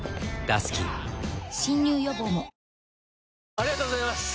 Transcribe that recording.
ありがとうございます！